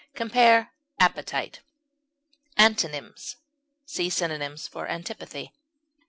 Compare APPETITE. Antonyms: See synonyms for ANTIPATHY.